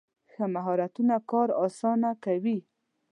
ښه مهارتونه کار اسانه کوي.